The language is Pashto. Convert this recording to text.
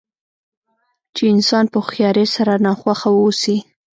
چې انسان په هوښیارۍ سره ناخوښه واوسي.